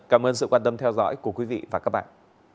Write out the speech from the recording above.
cảm ơn sự quan tâm theo dõi của quý vị và các bạn